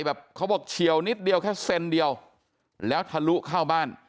แบบเขาบอกเฉียวนิดเดียวแค่เซนเดียวแล้วทะลุเข้าบ้าน